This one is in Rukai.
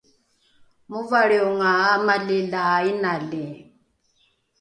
movalrionga amali la inali